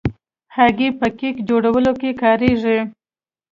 هګۍ په کیک جوړولو کې کارېږي.